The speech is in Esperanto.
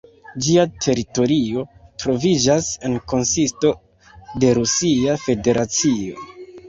Ĝia teritorio troviĝas en konsisto de Rusia Federacio.